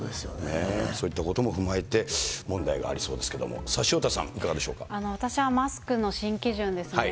そういったことも踏まえて問題がありそうですけれども、さあ、私はマスクの新基準ですね。